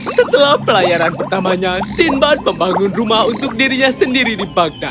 setelah pelayaran pertamanya sinbad membangun rumah untuk dirinya sendiri di bagda